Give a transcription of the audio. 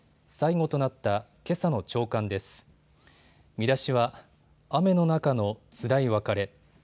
見出しは雨の中のつらい別れ。